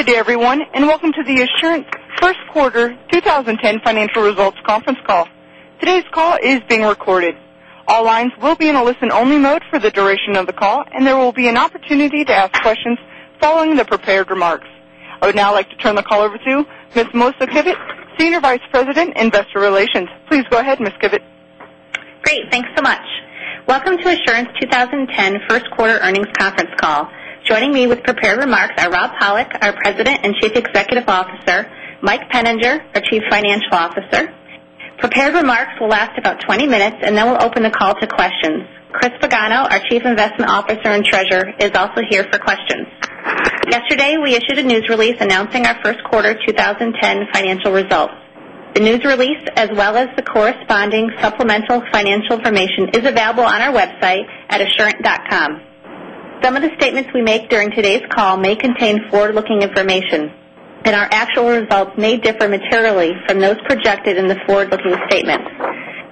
Good day, everyone. Welcome to the Assurant first quarter 2010 financial results conference call. Today's call is being recorded. All lines will be in a listen-only mode for the duration of the call, and there will be an opportunity to ask questions following the prepared remarks. I would now like to turn the call over to Ms. Melissa Kivett, Senior Vice President, Investor Relations. Please go ahead, Ms. Kivett. Great. Thanks so much. Welcome to Assurant 2010 first quarter earnings conference call. Joining me with prepared remarks are Rob Pollock, our President and Chief Executive Officer, Mike Peninger, our Chief Financial Officer. Prepared remarks will last about 20 minutes, and then we'll open the call to questions. Chris Pagano, our Chief Investment Officer and Treasurer, is also here for questions. Yesterday, we issued a news release announcing our first quarter 2010 financial results. The news release, as well as the corresponding supplemental financial information, is available on our website at assurant.com. Some of the statements we make during today's call may contain forward-looking information, and our actual results may differ materially from those projected in the forward-looking statement.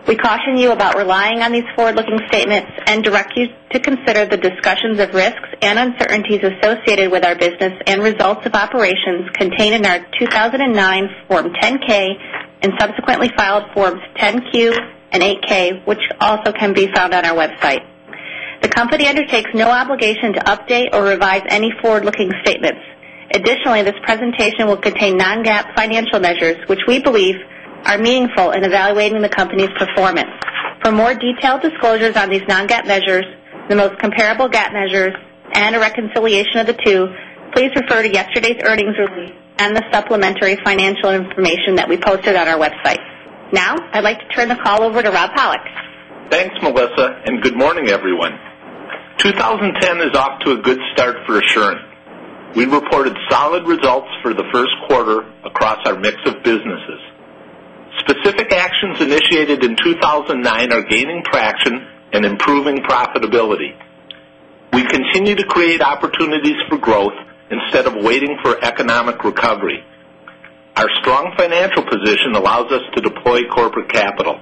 We caution you about relying on these forward-looking statements and direct you to consider the discussions of risks and uncertainties associated with our business and results of operations contained in our 2009 Form 10-K and subsequently filed Forms 10-Q and 8-K, which also can be found on our website. The company undertakes no obligation to update or revise any forward-looking statements. Additionally, this presentation will contain non-GAAP financial measures, which we believe are meaningful in evaluating the company's performance. For more detailed disclosures on these non-GAAP measures, the most comparable GAAP measures, and a reconciliation of the two, please refer to yesterday's earnings release and the supplementary financial information that we posted on our website. I'd like to turn the call over to Rob Pollock. Thanks, Melissa, and good morning, everyone. 2010 is off to a good start for Assurant. We reported solid results for the first quarter across our mix of businesses. Specific actions initiated in 2009 are gaining traction and improving profitability. We continue to create opportunities for growth instead of waiting for economic recovery. Our strong financial position allows us to deploy corporate capital.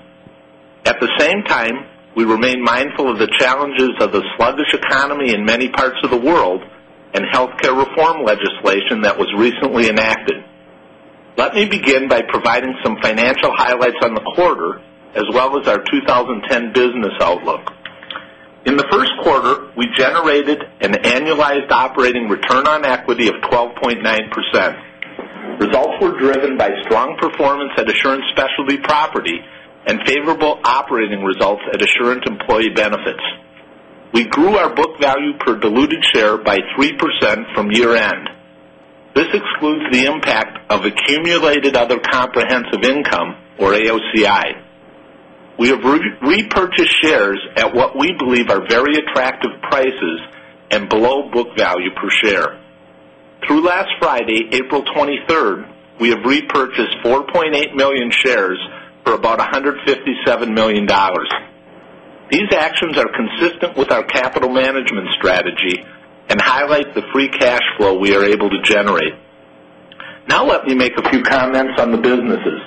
At the same time, we remain mindful of the challenges of the sluggish economy in many parts of the world and healthcare reform legislation that was recently enacted. Let me begin by providing some financial highlights on the quarter, as well as our 2010 business outlook. In the first quarter, we generated an annualized operating return on equity of 12.9%. Results were driven by strong performance at Assurant Specialty Property and favorable operating results at Assurant Employee Benefits. We grew our book value per diluted share by 3% from year-end. This excludes the impact of accumulated other comprehensive income, or AOCI. We have repurchased shares at what we believe are very attractive prices and below book value per share. Through last Friday, April 23rd, we have repurchased 4.8 million shares for about $157 million. These actions are consistent with our capital management strategy and highlight the free cash flow we are able to generate. Now let me make a few comments on the businesses.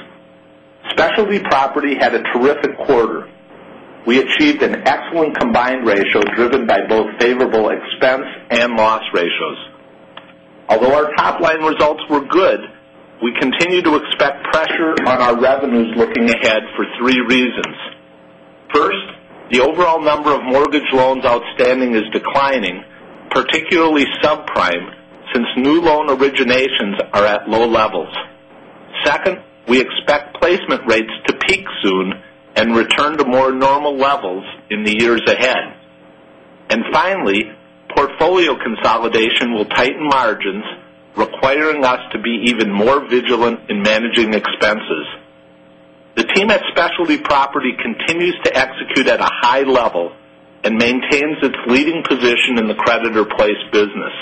Specialty Property had a terrific quarter. We achieved an excellent combined ratio driven by both favorable expense and loss ratios. Although our top-line results were good, we continue to expect pressure on our revenues looking ahead for three reasons. First, the overall number of mortgage loans outstanding is declining, particularly subprime, since new loan originations are at low levels. Second, we expect placement rates to peak soon and return to more normal levels in the years ahead. Finally, portfolio consolidation will tighten margins, requiring us to be even more vigilant in managing expenses. The team at Specialty Property continues to execute at a high level and maintains its leading position in the creditor-placed business.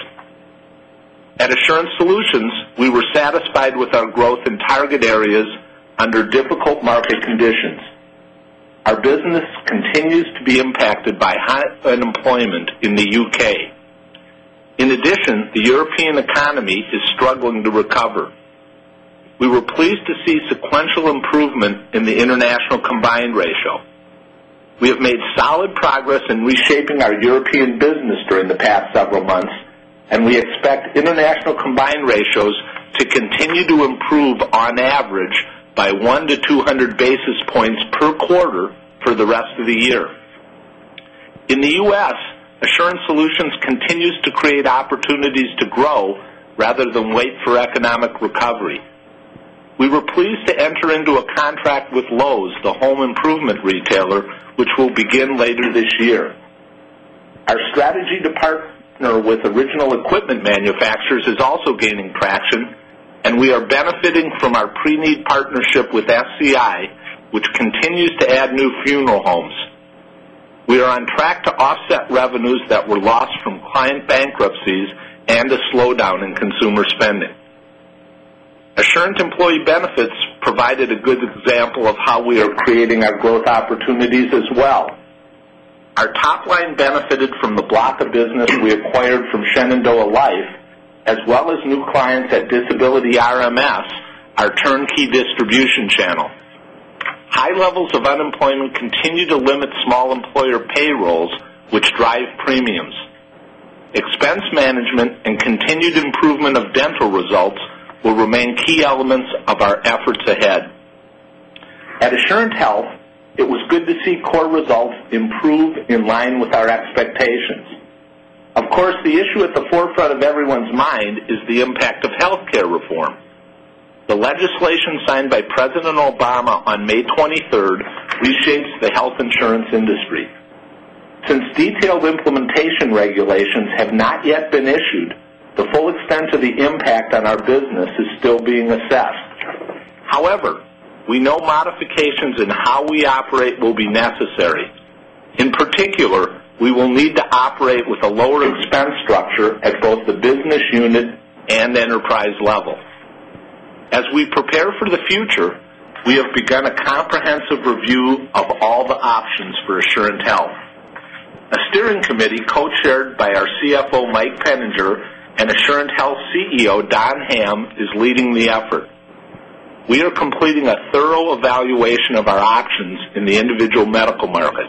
At Assurant Solutions, we were satisfied with our growth in target areas under difficult market conditions. Our business continues to be impacted by high unemployment in the U.K. In addition, the European economy is struggling to recover. We were pleased to see sequential improvement in the international combined ratio. We have made solid progress in reshaping our European business during the past several months, and we expect international combined ratios to continue to improve on average by one to 200 basis points per quarter for the rest of the year. In the U.S., Assurant Solutions continues to create opportunities to grow rather than wait for economic recovery. We were pleased to enter into a contract with Lowe's, the home improvement retailer, which will begin later this year. Our strategy to partner with original equipment manufacturers is also gaining traction, and we are benefiting from our pre-need partnership with SCI, which continues to add new funeral homes. We are on track to offset revenues that were lost from client bankruptcies and a slowdown in consumer spending. Assurant Employee Benefits provided a good example of how we are creating our growth opportunities as well. Our top line benefited from the block of business we acquired from Shenandoah Life, as well as new clients at Disability RMS, our turnkey distribution channel. High levels of unemployment continue to limit small employer payrolls, which drive premiums. Expense management and continued improvement of dental results will remain key elements of our efforts ahead. At Assurant Health, it was good to see core results improve in line with our expectations. Of course, the issue at the forefront of everyone's mind is the impact of healthcare reform. The legislation signed by President Obama on May 23rd reshapes the health insurance industry. Since detailed implementation regulations have not yet been issued, the full extent of the impact on our business is still being assessed. However, we know modifications in how we operate will be necessary. In particular, we will need to operate with a lower expense structure at both the business unit and enterprise level. As we prepare for the future, we have begun a comprehensive review of all the options for Assurant Health. A steering committee, co-chaired by our CFO, Mike Peninger, and Assurant Health CEO, Don Hamm, is leading the effort. We are completing a thorough evaluation of our options in the individual medical market.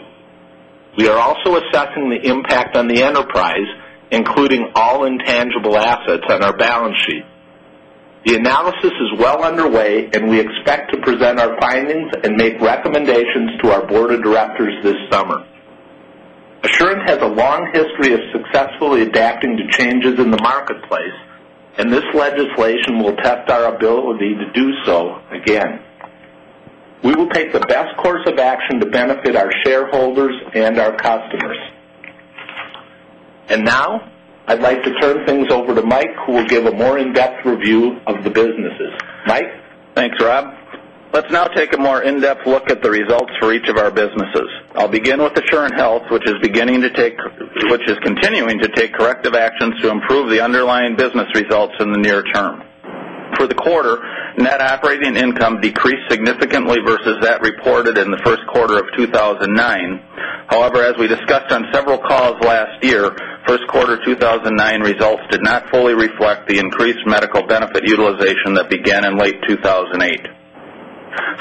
We are also assessing the impact on the enterprise, including all intangible assets on our balance sheet. The analysis is well underway, and we expect to present our findings and make recommendations to our board of directors this summer. Assurant has a long history of successfully adapting to changes in the marketplace, and this legislation will test our ability to do so again. We will take the best course of action to benefit our shareholders and our customers. Now I'd like to turn things over to Mike, who will give a more in-depth review of the businesses. Mike? Thanks, Rob. Let's now take a more in-depth look at the results for each of our businesses. I'll begin with Assurant Health, which is continuing to take corrective actions to improve the underlying business results in the near term. For the quarter, net operating income decreased significantly versus that reported in the first quarter of 2009. However, as we discussed on several calls last year, first quarter 2009 results did not fully reflect the increased medical benefit utilization that began in late 2008.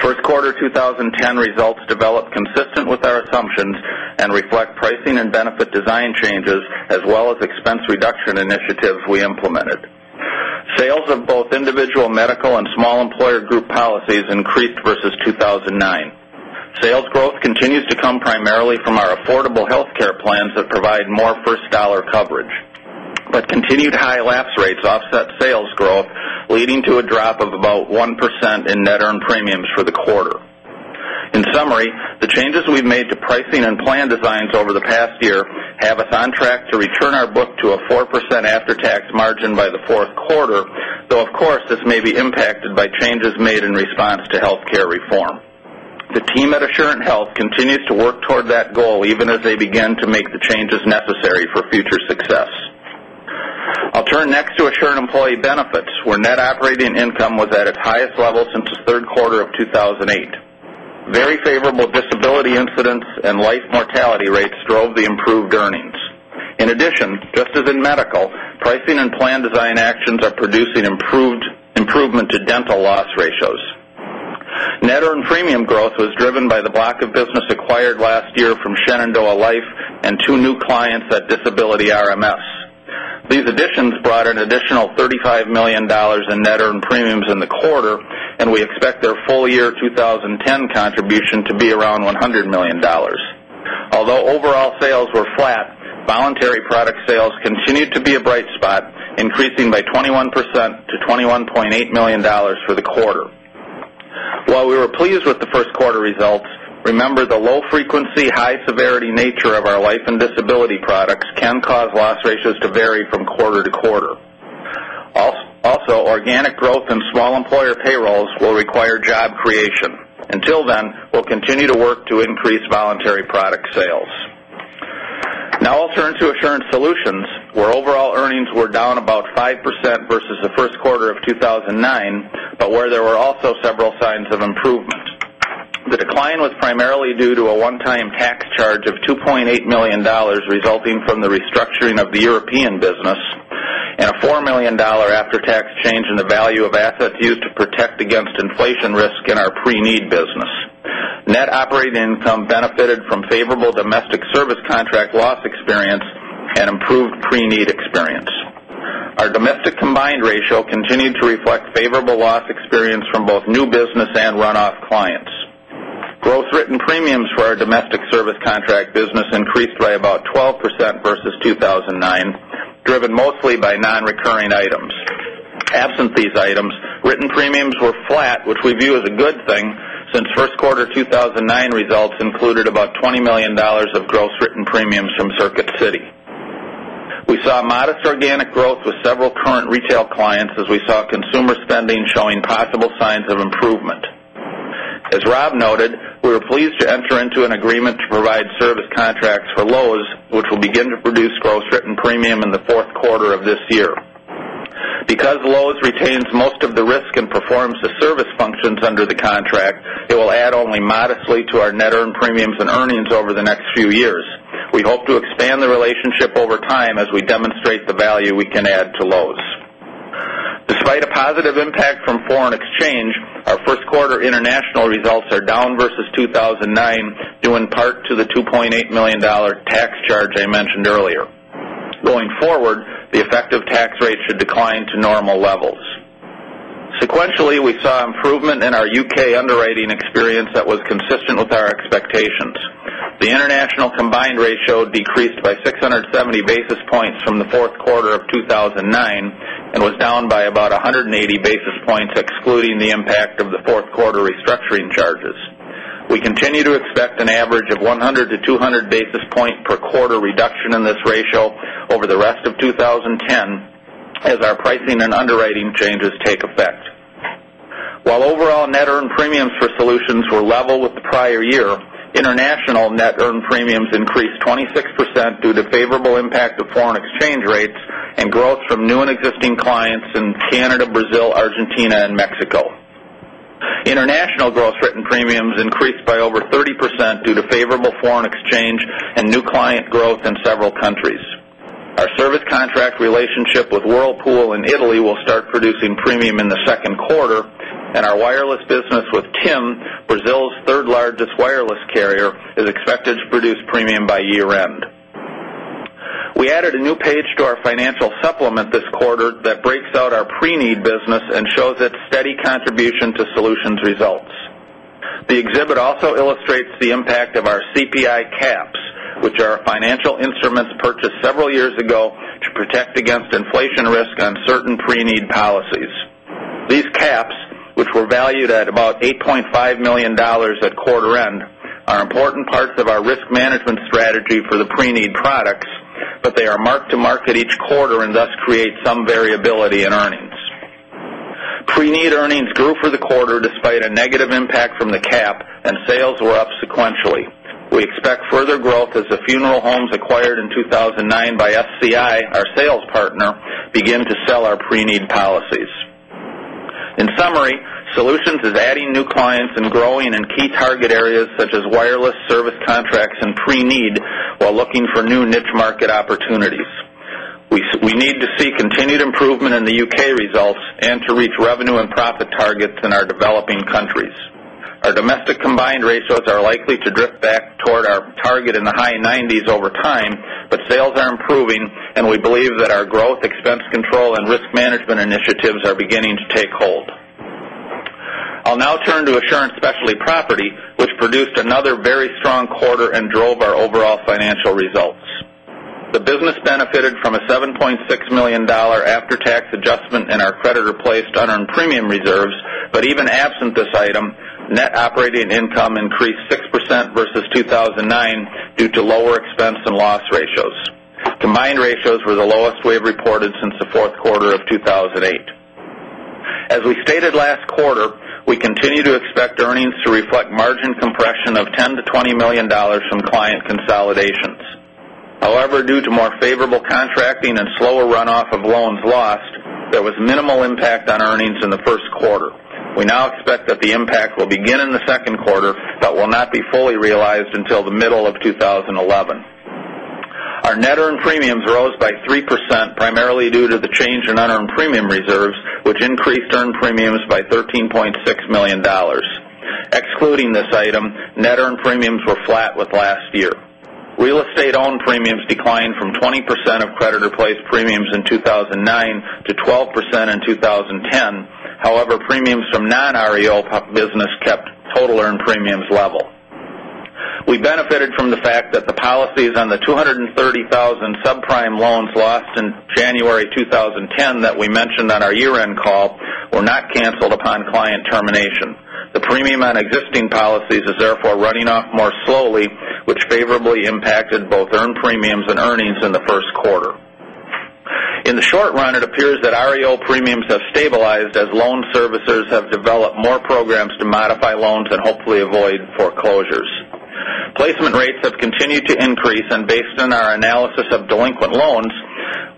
First quarter 2010 results developed consistent with our assumptions and reflect pricing and benefit design changes, as well as expense reduction initiatives we implemented. Sales of both individual medical and small employer group policies increased versus 2009. Sales growth continues to come primarily from our affordable healthcare plans that provide more first-dollar coverage. Continued high lapse rates offset sales growth, leading to a drop of about 1% in net earned premiums for the quarter. In summary, the changes we've made to pricing and plan designs over the past year have us on track to return our book to a 4% after-tax margin by the fourth quarter, though, of course, this may be impacted by changes made in response to healthcare reform. The team at Assurant Health continues to work toward that goal, even as they begin to make the changes necessary for future success. I'll turn next to Assurant Employee Benefits, where net operating income was at its highest level since the third quarter of 2008. Very favorable disability incidents and life mortality rates drove the improved earnings. In addition, just as in medical, pricing and plan design actions are producing improvement to dental loss ratios. Net earned premium growth was driven by the block of business acquired last year from Shenandoah Life and two new clients at Disability RMS. These additions brought an additional $35 million in net earned premiums in the quarter, and we expect their full year 2010 contribution to be around $100 million. Although overall sales were flat, voluntary product sales continued to be a bright spot, increasing by 21% to $21.8 million for the quarter. While we were pleased with the first quarter results, remember the low frequency, high severity nature of our life and disability products can cause loss ratios to vary from quarter to quarter. Organic growth in small employer payrolls will require job creation. Until then, we'll continue to work to increase voluntary product sales. Now I'll turn to Assurant Solutions, where overall earnings were down about 5% versus the first quarter of 2009, but where there were also several signs of improvement. The decline was primarily due to a one-time tax charge of $2.8 million, resulting from the restructuring of the European business and a $4 million after-tax change in the value of assets used to protect against inflation risk in our pre-need business. Net operating income benefited from favorable domestic service contract loss experience and improved pre-need experience. Our domestic combined ratio continued to reflect favorable loss experience from both new business and runoff clients. Gross written premiums for our domestic service contract business increased by about 12% versus 2009, driven mostly by non-recurring items. Absent these items, written premiums were flat, which we view as a good thing, since first quarter 2009 results included about $20 million of gross written premiums from Circuit City. We saw modest organic growth with several current retail clients as we saw consumer spending showing possible signs of improvement. As Rob noted, we were pleased to enter into an agreement to provide service contracts for Lowe's, which will begin to produce gross written premium in the fourth quarter of this year. Because Lowe's retains most of the risk and performs the service functions under the contract, it will add only modestly to our net earned premiums and earnings over the next few years. We hope to expand the relationship over time as we demonstrate the value we can add to Lowe's. A positive impact from foreign exchange, our first quarter international results are down versus 2009, due in part to the $2.8 million tax charge I mentioned earlier. Going forward, the effective tax rate should decline to normal levels. Sequentially, we saw improvement in our U.K. underwriting experience that was consistent with our expectations. The international combined ratio decreased by 670 basis points from the fourth quarter of 2009 and was down by about 180 basis points excluding the impact of the fourth quarter restructuring charges. We continue to expect an average of 100 to 200 basis point per quarter reduction in this ratio over the rest of 2010 as our pricing and underwriting changes take effect. While overall net earned premiums for Assurant Solutions were level with the prior year, international net earned premiums increased 26% due to favorable impact of foreign exchange rates and growth from new and existing clients in Canada, Brazil, Argentina and Mexico. International gross written premiums increased by over 30% due to favorable foreign exchange and new client growth in several countries. Our service contract relationship with Whirlpool in Italy will start producing premium in the second quarter, and our wireless business with TIM, Brazil's third largest wireless carrier, is expected to produce premium by year-end. We added a new page to our financial supplement this quarter that breaks out our pre-need business and shows its steady contribution to Assurant Solutions results. The exhibit also illustrates the impact of our CPI caps, which are financial instruments purchased several years ago to protect against inflation risk on certain pre-need policies. These caps, which were valued at about $8.5 million at quarter end, are important parts of our risk management strategy for the pre-need products, but they are mark-to-market each quarter and thus create some variability in earnings. Pre-need earnings grew for the quarter despite a negative impact from the cap, and sales were up sequentially. We expect further growth as the funeral homes acquired in 2009 by FCI, our sales partner, begin to sell our pre-need policies. In summary, Solutions is adding new clients and growing in key target areas such as wireless service contracts and pre-need while looking for new niche market opportunities. We need to see continued improvement in the U.K. results and to reach revenue and profit targets in our developing countries. Our domestic combined ratios are likely to drift back toward our target in the high 90s over time, but sales are improving, and we believe that our growth expense control and risk management initiatives are beginning to take hold. I'll now turn to Assurant Specialty Property, which produced another very strong quarter and drove our overall financial results. The business benefited from a $7.6 million after-tax adjustment in our creditor-placed unearned premium reserves, but even absent this item, net operating income increased 6% versus 2009 due to lower expense and loss ratios. Combined ratios were the lowest we have reported since the fourth quarter of 2008. As we stated last quarter, we continue to expect earnings to reflect margin compression of $10 million-$20 million from client consolidations. However, due to more favorable contracting and slower runoff of loans lost, there was minimal impact on earnings in the first quarter. We now expect that the impact will begin in the second quarter but will not be fully realized until the middle of 2011. Our net earned premiums rose by 3%, primarily due to the change in unearned premium reserves, which increased earned premiums by $13.6 million. Excluding this item, net earned premiums were flat with last year. Real estate owned premiums declined from 20% of creditor-placed premiums in 2009 to 12% in 2010. However, premiums from non-REO business kept total earned premiums level. We benefited from the fact that the policies on the 230,000 subprime loans lost in January 2010 that we mentioned on our year-end call were not canceled upon client termination. The premium on existing policies is therefore running off more slowly, which favorably impacted both earned premiums and earnings in the first quarter. In the short run, it appears that REO premiums have stabilized as loan servicers have developed more programs to modify loans and hopefully avoid foreclosures. Placement rates have continued to increase, and based on our analysis of delinquent loans,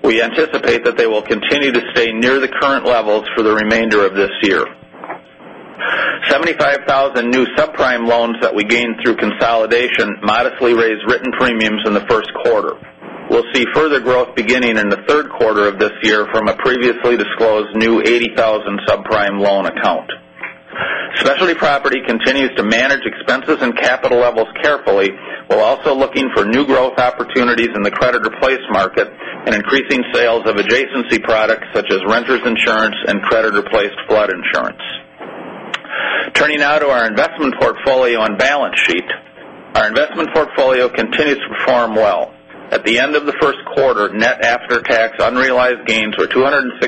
we anticipate that they will continue to stay near the current levels for the remainder of this year. 75,000 new subprime loans that we gained through consolidation modestly raised written premiums in the first quarter. We'll see further growth beginning in the third quarter of this year from a previously disclosed new 80,000 subprime loan account. Assurant Specialty Property continues to manage expenses and capital levels carefully, while also looking for new growth opportunities in the creditor-placed market and increasing sales of adjacency products such as renters insurance and creditor-placed flood insurance. Turning now to our investment portfolio and balance sheet. Our investment portfolio continues to perform well. At the end of the first quarter, net after-tax unrealized gains were $267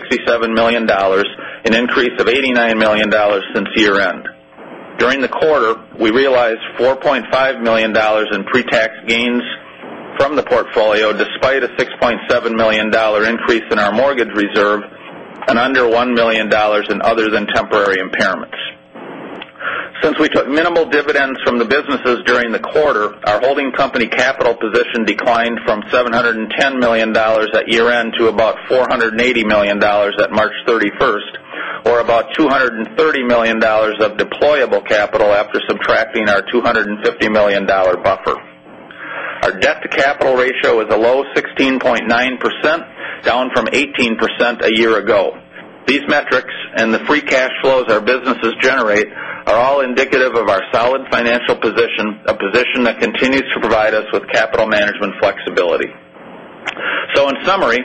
million, an increase of $89 million since year-end. During the quarter, we realized $4.5 million in pre-tax gains from the portfolio despite a $6.7 million increase in our mortgage reserve and under $1 million in other than temporary impairments. Since we took minimal dividends from the businesses during the quarter, our holding company capital position declined from $710 million at year-end to about $480 million at March 31st, or about $230 million of deployable capital after subtracting our $250 million buffer. Our debt-to-capital ratio is a low 16.9%, down from 18% a year ago. These metrics and the free cash flows our businesses generate are all indicative of our solid financial position, a position that continues to provide us with capital management flexibility. In summary,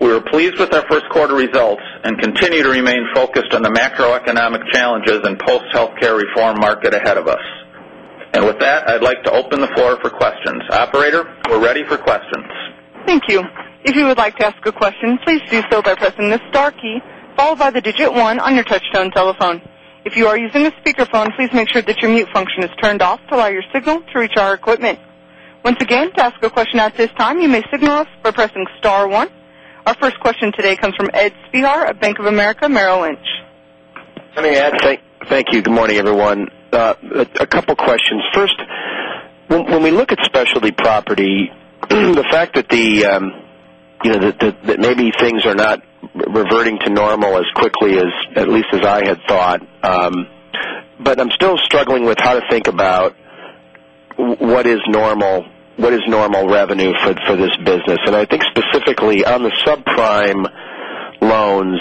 we are pleased with our first quarter results and continue to remain focused on the macroeconomic challenges and post-healthcare reform market ahead of us. With that, I'd like to open the floor for questions. Operator, we're ready for questions. Thank you. If you would like to ask a question, please do so by pressing the star key, followed by the digit 1 on your touch-tone telephone. If you are using a speakerphone, please make sure that your mute function is turned off to allow your signal to reach our equipment. Once again, to ask a question at this time, you may signal us by pressing star one. Our first question today comes from Ed Spehar of Bank of America Merrill Lynch. Hi, Ed. Thank you. Good morning, everyone. A couple questions. First, when we look at Specialty Property, the fact that maybe things are not reverting to normal as quickly as, at least as I had thought. I'm still struggling with how to think about what is normal revenue for this business. I think specifically on the subprime loans,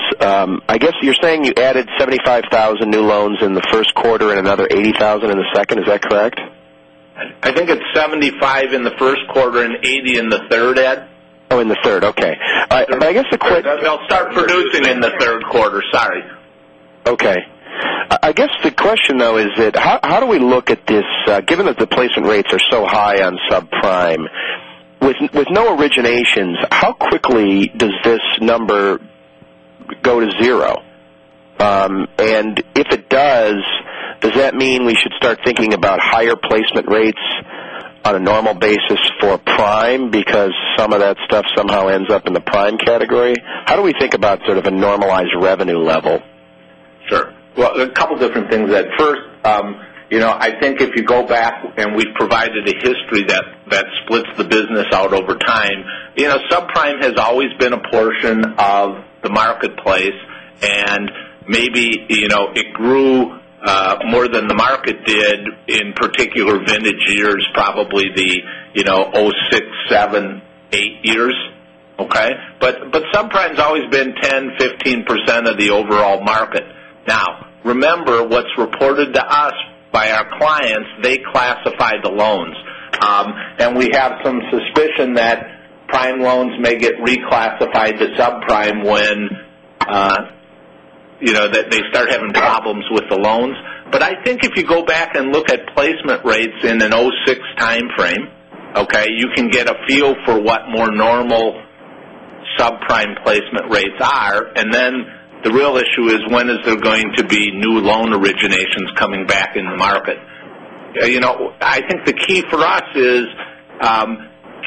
I guess you're saying you added 75,000 new loans in the first quarter and another 80,000 in the second. Is that correct? I think it's 75 in the first quarter and 80 in the third, Ed. Oh, in the third. Okay. They'll start producing in the third quarter. Sorry. Okay. I guess the question, though, is that how do we look at this, given that the placement rates are so high on subprime, with no originations, how quickly does this number go to zero? If it does that mean we should start thinking about higher placement rates on a normal basis for prime because some of that stuff somehow ends up in the prime category? How do we think about sort of a normalized revenue level? Sure. Well, there's a couple different things, Ed. First, I think if you go back and we've provided a history that splits the business out over time. Subprime has always been a portion of the marketplace, and maybe it grew more than the market did in particular vintage years, probably the 2006, 2007, 2008 years. Okay? Subprime's always been 10%, 15% of the overall market. Now, remember what's reported to us by our clients, they classify the loans. We have some suspicion that prime loans may get reclassified to subprime when they start having problems with the loans. I think if you go back and look at placement rates in a 2006 timeframe, okay, you can get a feel for what more normal subprime placement rates are. The real issue is when is there going to be new loan originations coming back in the market? I think the key for us is,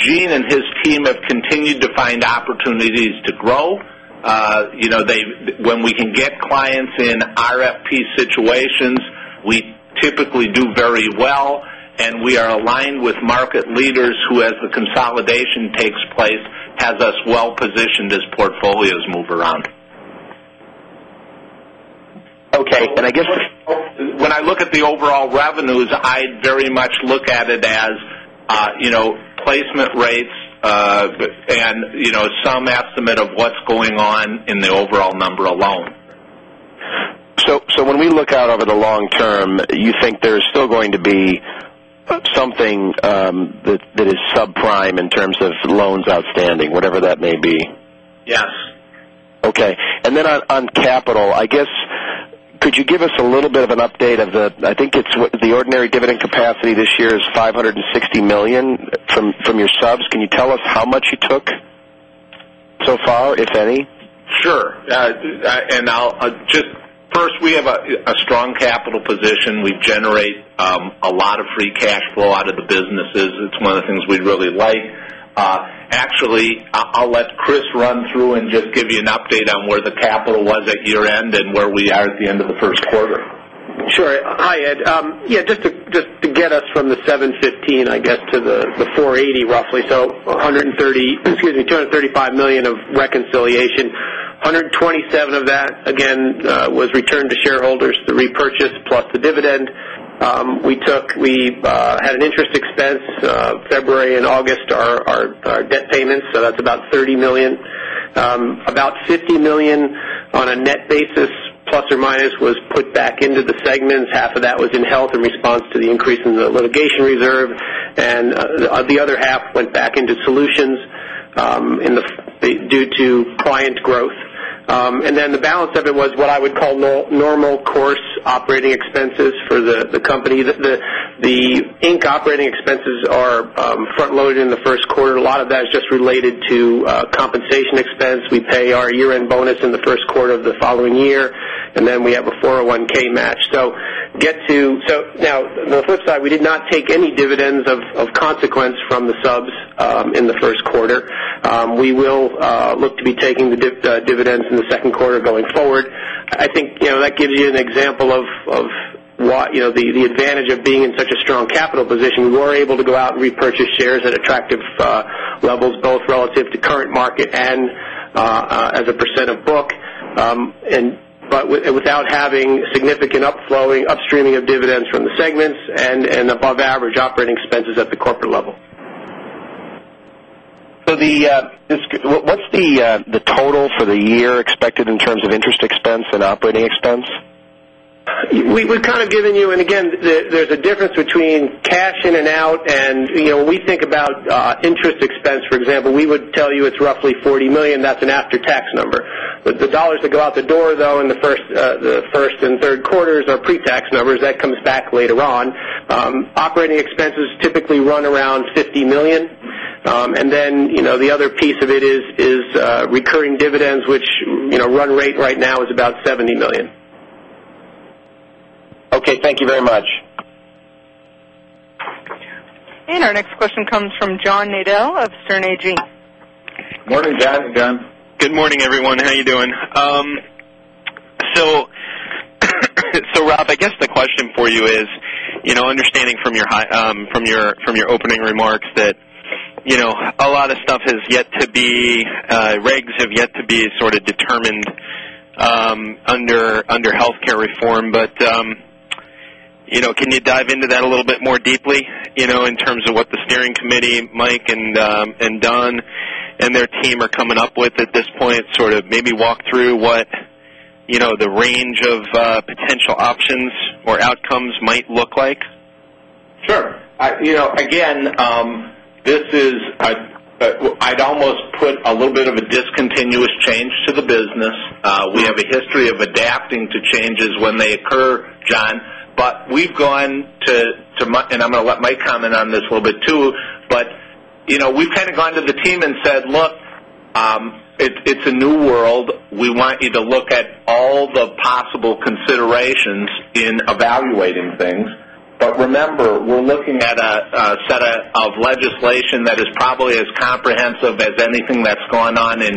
Gene and his team have continued to find opportunities to grow. When we can get clients in RFP situations, we typically do very well. We are aligned with market leaders who, as the consolidation takes place, has us well positioned as portfolios move around. Okay. I guess. When I look at the overall revenues, I very much look at it as placement rates, some estimate of what's going on in the overall number alone. When we look out over the long term, you think there's still going to be something that is subprime in terms of loans outstanding, whatever that may be? Yes. Okay. Then on capital, I guess, could you give us a little bit of an update of the, I think it's the ordinary dividend capacity this year is $560 million from your subs. Can you tell us how much you took so far, if any? Sure. First, we have a strong capital position. We generate a lot of free cash flow out of the businesses. It's one of the things we really like. Actually, I'll let Chris run through and just give you an update on where the capital was at year-end and where we are at the end of the first quarter. Sure. Hi, Ed. Just to get us from the 715, I guess, to the 480, roughly, so $235 million of reconciliation. $127 of that, again, was returned to shareholders, the repurchase plus the dividend. We had an interest expense February and August, our debt payments, so that's about $30 million. About $50 million on a net basis, plus or minus, was put back into the segments. Half of that was in health in response to the increase in the litigation reserve, and the other half went back into Solutions due to client growth. Then the balance of it was what I would call normal course operating expenses for the company. The Inc operating expenses are front-loaded in the first quarter. A lot of that is just related to compensation expense. We pay our year-end bonus in the first quarter of the following year. We have a 401 match. On the flip side, we did not take any dividends of consequence from the subs in the first quarter. We will look to be taking the dividends in the second quarter going forward. I think that gives you an example of the advantage of being in such a strong capital position. We were able to go out and repurchase shares at attractive levels, both relative to current market and as a percent of book, without having significant upstreaming of dividends from the segments and above-average operating expenses at the corporate level. What's the total for the year expected in terms of interest expense and operating expense? We've kind of given you, and again, there's a difference between cash in and out, and when we think about interest expense, for example, we would tell you it's roughly $40 million. That's an after-tax number. The dollars that go out the door, though, in the first and third quarters are pre-tax numbers. That comes back later on. Operating expenses typically run around $50 million. The other piece of it is recurring dividends, which, run rate right now is about $70 million. Okay. Thank you very much. Our next question comes from John Nadel of Sterne Agee. Morning, John. Good morning, everyone. How are you doing? Rob, I guess the question for you is, understanding from your opening remarks that, regs have yet to be sort of determined under healthcare reform. Can you dive into that a little bit more deeply, in terms of what the steering committee, Mike and Don and their team are coming up with at this point? Sort of maybe walk through what the range of potential options or outcomes might look like. Sure. Again, I'd almost put a little bit of a discontinuous change to the business. We have a history of adapting to changes when they occur, John Nadel. We've gone to, and I'm going to let Mike Peninger comment on this a little bit too, but we've kind of gone to the team and said, "Look, it's a new world. We want you to look at all the possible considerations in evaluating things." Remember, we're looking at a set of legislation that is probably as comprehensive as anything that's gone on in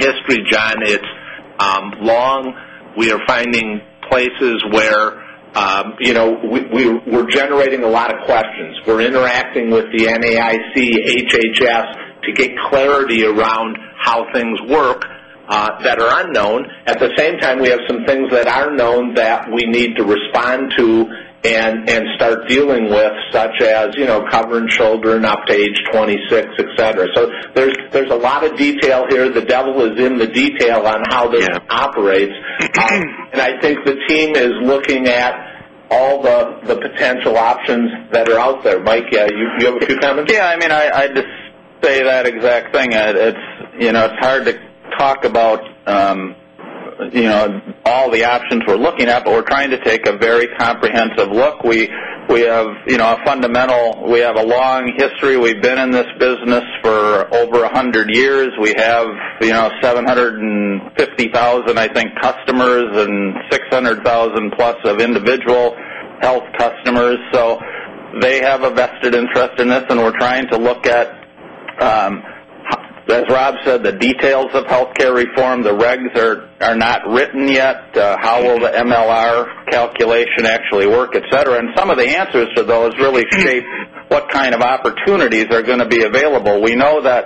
history, John Nadel. It's long. We are finding places where we're generating a lot of questions. We're interacting with the NAIC, HHS to get clarity around how things work that are unknown. At the same time, we have some things that are known that we need to respond to and start dealing with, such as covering children up to age 26, et cetera. There's a lot of detail here. The devil is in the detail on how this operates. Yeah. I think the team is looking at all the potential options that are out there. Mike Peninger, you have a few comments? Yeah, I'd just say that exact thing. It's hard to talk about all the options we're looking at, but we're trying to take a very comprehensive look. We have a fundamental. We have a long history. We've been in this business for over 100 years. We have 750,000, I think, customers and 600,000-plus of individual health customers. They have a vested interest in this, and we're trying to look at, as Rob said, the details of healthcare reform. The regs are not written yet. How will the MLR calculation actually work, et cetera. Some of the answers to those really shape what kind of opportunities are going to be available. We know that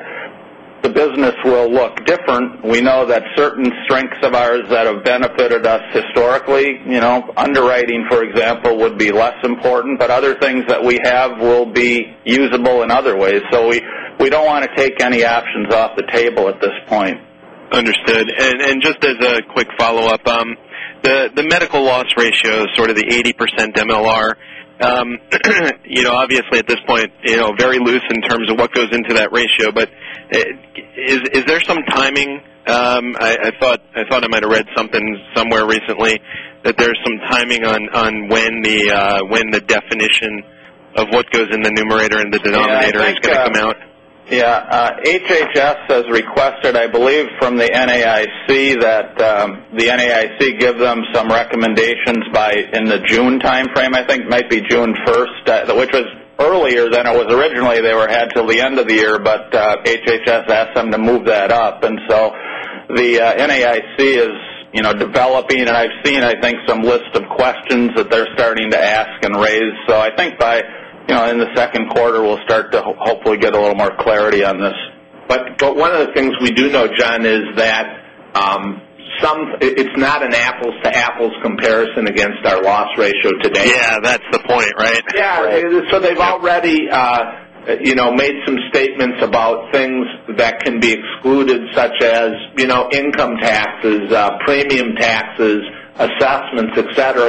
the business will look different. We know that certain strengths of ours that have benefited us historically, underwriting, for example, would be less important, but other things that we have will be usable in other ways. We don't want to take any options off the table at this point. Understood. Just as a quick follow-up, the medical loss ratio, sort of the 80% MLR, obviously at this point, very loose in terms of what goes into that ratio. Is there some timing? I thought I might have read something somewhere recently that there's some timing on when the definition of what goes in the numerator and the denominator is going to come out. Yeah. HHS has requested, I believe, from the NAIC that the NAIC give them some recommendations in the June timeframe, I think. Might be June 1st, which was earlier than it was originally. They had till the end of the year, HHS asked them to move that up. The NAIC is developing, and I've seen, I think, some list of questions that they're starting to ask and raise. I think in the second quarter, we'll start to hopefully get a little more clarity on this. One of the things we do know, John, is that it's not an apples-to-apples comparison against our loss ratio today. Yeah, that's the point, right? Yeah. They've already made some statements about things that can be excluded, such as income taxes, premium taxes, assessments, et cetera.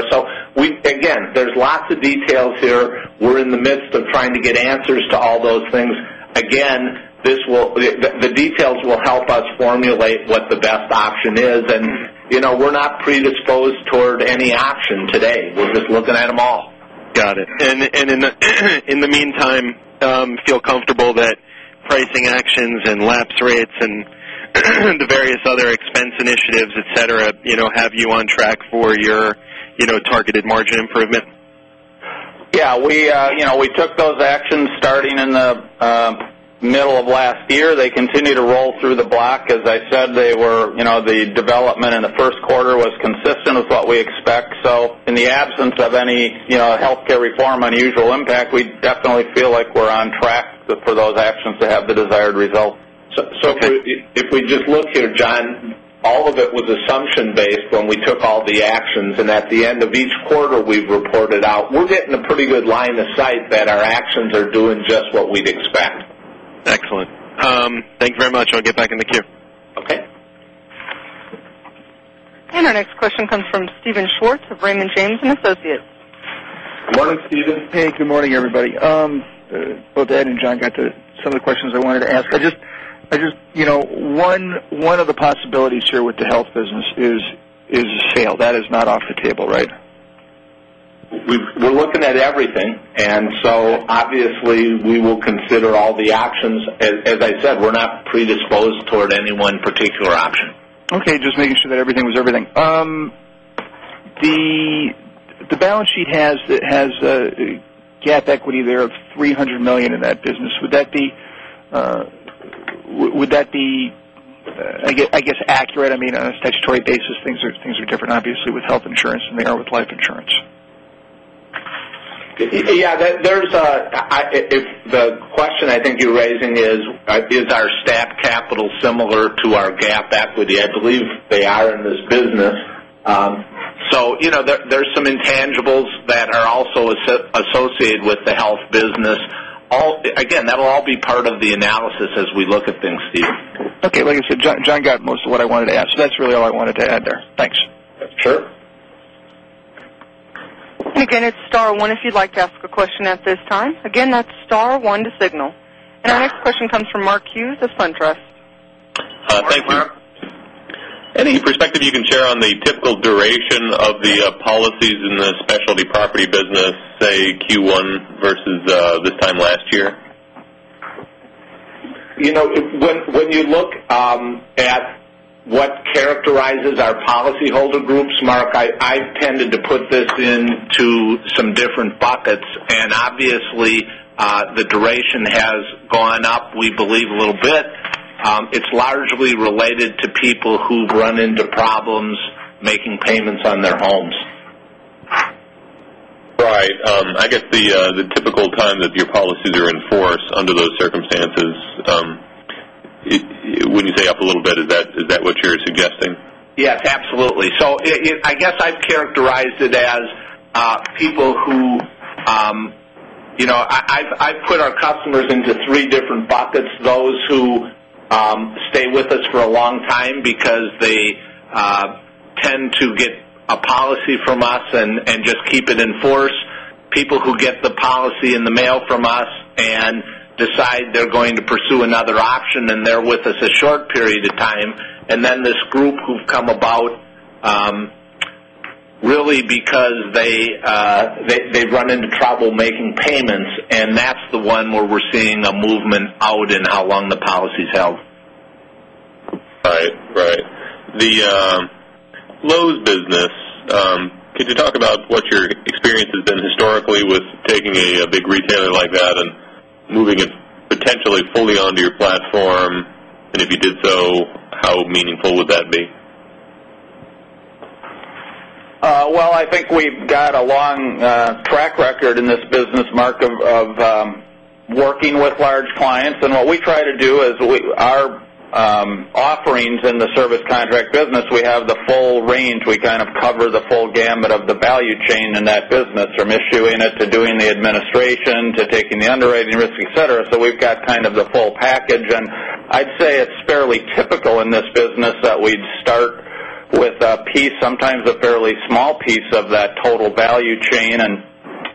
Again, there's lots of details here. We're in the midst of trying to get answers to all those things. Again, the details will help us formulate what the best option is, and we're not predisposed toward any option today. We're just looking at them all. Got it. In the meantime, feel comfortable that pricing actions and lapse rates and the various other expense initiatives, et cetera, have you on track for your targeted margin improvement? Yeah. We took those actions starting in the middle of last year. They continue to roll through the block. As I said, the development in the first quarter was consistent with what we expect. In the absence of any healthcare reform unusual impact, we definitely feel like we're on track for those actions to have the desired result. If we just look here, John, all of it was assumption-based when we took all the actions. At the end of each quarter we've reported out, we're getting a pretty good line of sight that our actions are doing just what we'd expect. Excellent. Thank you very much. I'll get back in the queue. Okay. Our next question comes from Steven Schwartz of Raymond James & Associates. Good morning, Steven. Hey, good morning, everybody. Both Ed and John got to some of the questions I wanted to ask. One of the possibilities here with the health business is a sale. That is not off the table, right? We're looking at everything. Obviously we will consider all the options. As I said, we're not predisposed toward any one particular option. Okay, just making sure that everything was everything. The balance sheet has GAAP equity there of $300 million in that business. Would that be, I guess, accurate? I mean, on a statutory basis, things are different, obviously, with health insurance than they are with life insurance. Yeah. If the question I think you're raising is our stat capital similar to our GAAP equity? I believe they are in this business. There's some intangibles that are also associated with the health business. Again, that'll all be part of the analysis as we look at things, Steve. Okay. Like I said, John got most of what I wanted to ask. That's really all I wanted to add there. Thanks. Sure. Again, it's star one if you'd like to ask a question at this time. Again, that's star one to signal. Our next question comes from Mark Hughes of SunTrust. Hi, Mark. Thank you. Any perspective you can share on the typical duration of the policies in the Specialty Property business, say Q1 versus this time last year? When you look at what characterizes our policyholder groups, Mark, I've tended to put this into some different buckets. Obviously, the duration has gone up, we believe, a little bit. It's largely related to people who've run into problems making payments on their homes. Right. I guess the typical time that your policies are in force under those circumstances. When you say up a little bit, is that what you're suggesting? Yes, absolutely. I guess I've characterized it as people. I've put our customers into three different buckets. Those who stay with us for a long time because they tend to get a policy from us and just keep it in force. People who get the policy in the mail from us and decide they're going to pursue another option, and they're with us a short period of time. Then this group who've come about really because they run into trouble making payments, and that's the one where we're seeing a movement out in how long the policy's held. Right. The Lowe's business. Could you talk about what your experience has been historically with taking a big retailer like that and moving it potentially fully onto your platform? If you did so, how meaningful would that be? Well, I think we've got a long track record in this business, Mark, of working with large clients. What we try to do is our offerings in the service contract business, we have the full range. We kind of cover the full gamut of the value chain in that business, from issuing it, to doing the administration, to taking the underwriting risk, et cetera. We've got kind of the full package. I'd say it's fairly typical in this business that we'd start with a piece, sometimes a fairly small piece of that total value chain.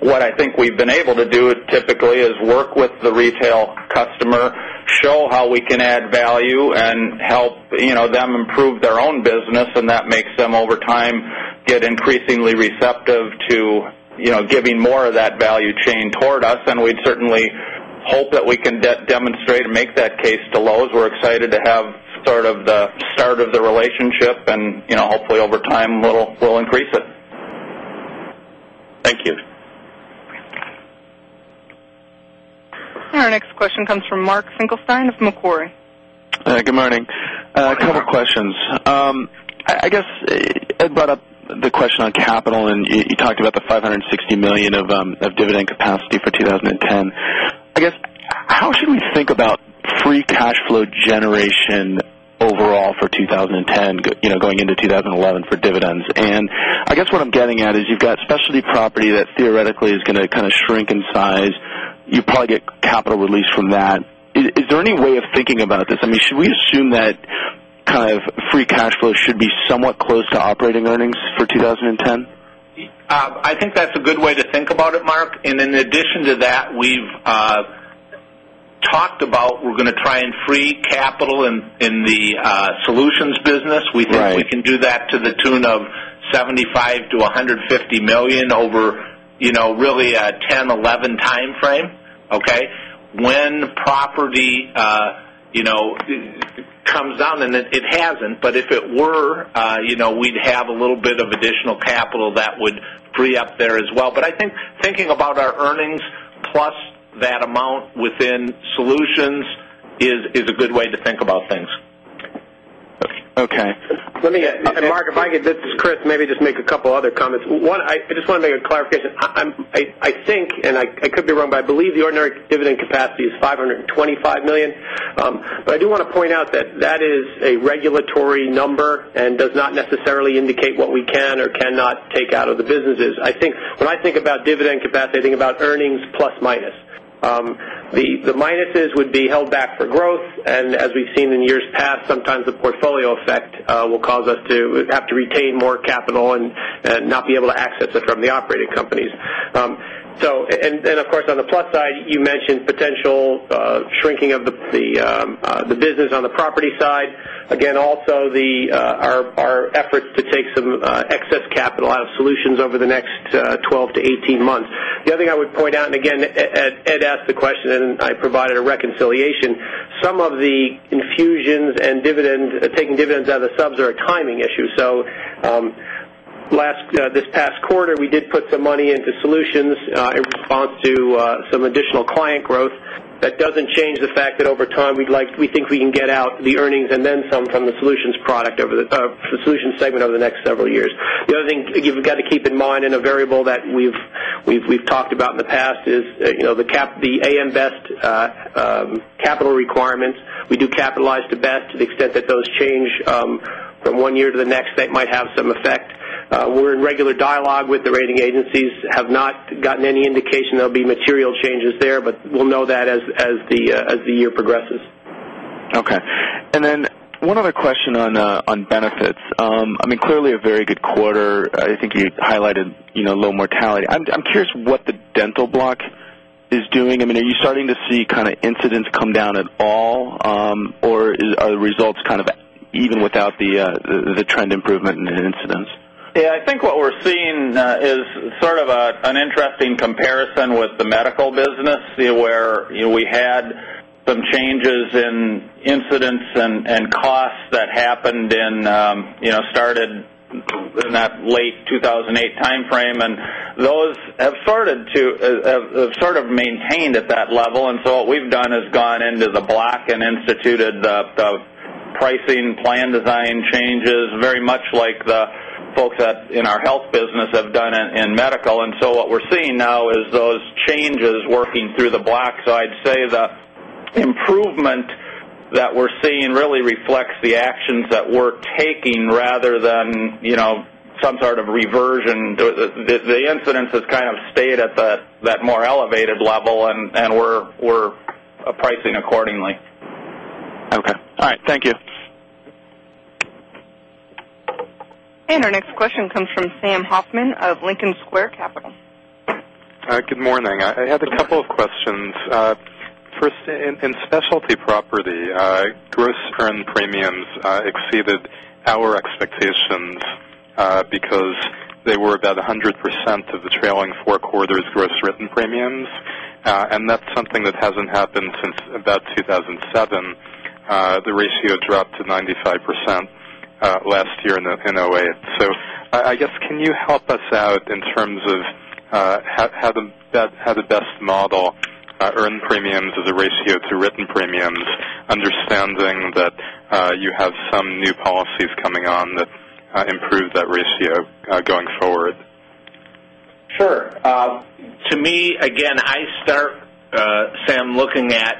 What I think we've been able to do is typically is work with the retail customer, show how we can add value, and help them improve their own business. That makes them, over time, get increasingly receptive to giving more of that value chain toward us. We'd certainly hope that we can demonstrate and make that case to Lowe's. We're excited to have sort of the start of the relationship and hopefully over time, we'll increase it. Thank you. Our next question comes from Mark Finkelstein of Macquarie. Good morning. A couple of questions. Ed brought up the question on capital, and you talked about the $560 million of dividend capacity for 2010. How should we think about free cash flow generation overall for 2010, going into 2011 for dividends? I guess what I'm getting at is you've got Specialty Property that theoretically is going to kind of shrink in size. You probably get capital release from that. Is there any way of thinking about this? I mean, should we assume that kind of free cash flow should be somewhat close to operating earnings for 2010? I think that's a good way to think about it, Mark. In addition to that, we've talked about we're going to try and free capital in the Solutions business. Right. We think we can do that to the tune of $75 million-$150 million over really a 2010, 2011 timeframe. Okay. When Property comes down, and it hasn't, but if it were, we'd have a little bit of additional capital that would free up there as well. I think thinking about our earnings plus that amount within Solutions is a good way to think about things. Okay. Let me, Mark, if I could, this is Chris, maybe just make a couple other comments. One, I just want to make a clarification. I think, and I could be wrong, I believe the ordinary dividend capacity is $525 million. I do want to point out that that is a regulatory number and does not necessarily indicate what we can or cannot take out of the businesses. When I think about dividend capacity, I think about earnings plus minus. The minuses would be held back for growth, and as we've seen in years past, sometimes the portfolio effect will cause us to have to retain more capital and not be able to access it from the operating companies. Of course, on the plus side, you mentioned potential shrinking of the business on the Property side. Also our efforts to take some excess capital out of Solutions over the next 12 to 18 months. The other thing I would point out, and again, Ed asked the question and I provided a reconciliation. Some of the infusions and taking dividends out of the subs are a timing issue. This past quarter, we did put some money into Solutions in response to some additional client growth. That doesn't change the fact that over time we think we can get out the earnings and then some from the Solutions segment over the next several years. The other thing you've got to keep in mind and a variable that we've talked about in the past is, the AM Best capital requirements. We do capitalize to Best to the extent that those change from one year to the next, that might have some effect. We're in regular dialogue with the rating agencies, have not gotten any indication there'll be material changes there, we'll know that as the year progresses. Okay. One other question on benefits. Clearly a very good quarter. I think you highlighted low mortality. I'm curious what the dental block is doing. Are you starting to see kind of incidents come down at all? Or are the results kind of even without the trend improvement in incidents? Yeah, I think what we're seeing is sort of an interesting comparison with the medical business, where we had some changes in incidents and costs that happened in, started in that late 2008 timeframe, those have sort of maintained at that level. What we've done is gone into the block and instituted the pricing plan design changes, very much like the folks in our health business have done in medical. What we're seeing now is those changes working through the block. I'd say the improvement that we're seeing really reflects the actions that we're taking rather than some sort of reversion. The incidence has kind of stayed at that more elevated level and we're pricing accordingly. Okay. All right. Thank you. Our next question comes from Sam Hoffman of Lincoln Square Capital. Good morning. I have a couple of questions. First, in Assurant Specialty Property, gross earned premiums exceeded our expectations because they were about 100% of the trailing 4 quarters gross written premiums. That's something that hasn't happened since about 2007. The ratio dropped to 95% last year in 2008. I guess, can you help us out in terms of how the best model earned premiums as a ratio to written premiums, understanding that you have some new policies coming on that improve that ratio going forward? Sure. To me, again, I start, Sam, looking at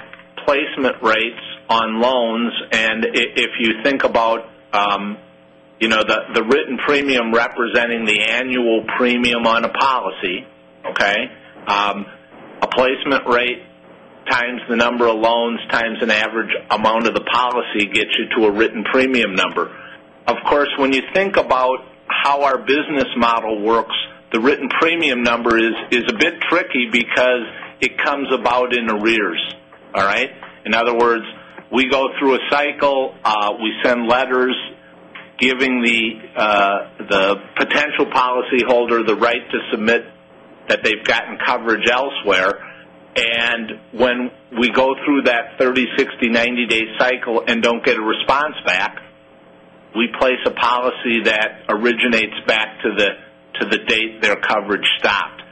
placement rates on loans. If you think about the written premium representing the annual premium on a policy, okay? A placement rate times the number of loans times an average amount of the policy gets you to a written premium number. Of course, when you think about how our business model works, the written premium number is a bit tricky because it comes about in arrears. All right? In other words, we go through a cycle, we send letters giving the potential policy holder the right to submit that they've gotten coverage elsewhere. When we go through that 30, 60, 90-day cycle and don't get a response back, we place a policy that originates back to the date their coverage stopped.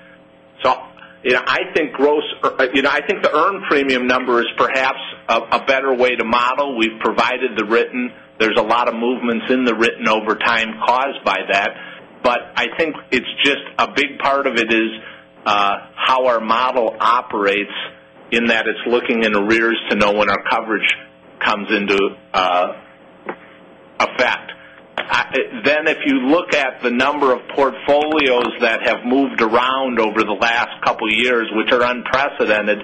I think the earned premium number is perhaps a better way to model. We've provided the written. There's a lot of movements in the written over time caused by that. I think a big part of it is how our model operates in that it's looking in arrears to know when our coverage comes into effect. If you look at the number of portfolios that have moved around over the last couple of years, which are unprecedented,